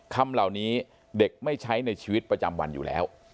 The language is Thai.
คำเหล่านี้เด็กไม่ใช้ในชีวิตประจำวันอยู่แล้ว